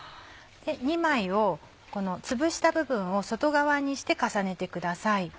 ２枚をつぶした部分を外側にして重ねてください。